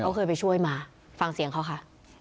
ฟังเคยฟังเสียงเขาค่ะ